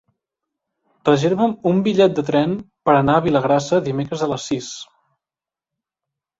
Reserva'm un bitllet de tren per anar a Vilagrassa dimecres a les sis.